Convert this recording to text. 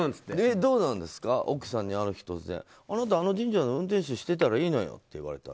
どうなんですか奥さんにある日突然あなた、あの神社の運転手してたらいいのよって言われたら。